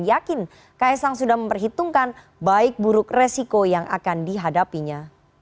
yakin kaisang sudah memperhitungkan baik buruk resiko yang akan dihadapinya